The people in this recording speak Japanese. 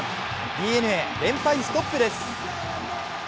ＤｅＮＡ、連敗ストップです。